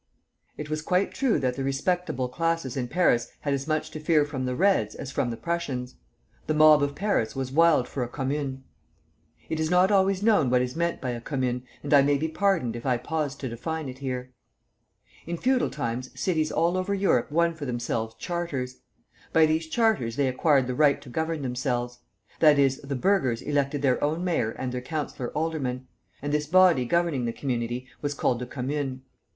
It was quite true that the respectable classes in Paris had as much to fear from the Reds as from the Prussians. The mob of Paris was wild for a commune. It is not always known what is meant by a commune, and I may be pardoned if I pause to define it here. In feudal times cities all over Europe won for themselves charters. By these charters they acquired the right to govern themselves; that is, the burghers elected their own mayor and their councilor aldermen, and this body governing the community was called the commune.